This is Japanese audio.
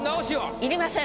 いりません。